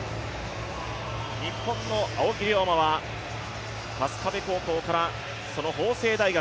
日本の青木涼真は春日部高校から法政大学。